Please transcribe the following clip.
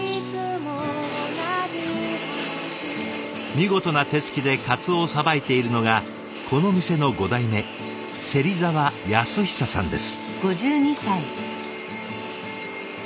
見事な手つきで鰹をさばいているのがこの店の５代目芹沢安久さんです。